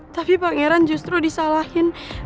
tapi pangeran justru disalahin